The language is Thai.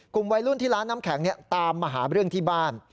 กลุ่มวัยรุ่นที่ร้านน้ำแข็งตามมาหาเรื่องที่บ้าน